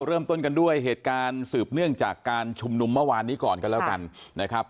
เริ่มต้นกันด้วยเหตุการณ์สืบเนื่องจากการชุมนุมเมื่อวานนี้ก่อนกันแล้วกันนะครับ